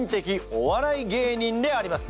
お笑い芸人であります。